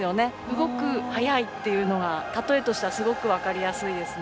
動く、速いというのはたとえとしてすごく分かりやすいですね。